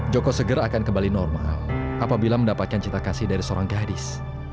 joko seger akan kembali normal apabila mendapatkan cinta kasih dari seorang gadis